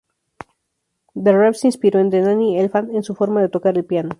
The Rev se inspiró de Danny Elfman en su forma de tocar el piano.